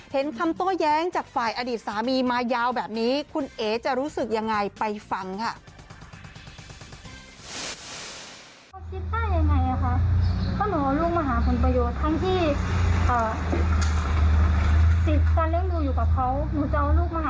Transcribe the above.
เห็นคำโต้แย้งจากฝ่ายอดีตสามีมายาวแบบนี้คุณเอ๋จะรู้สึกยังไงไปฟังค่ะ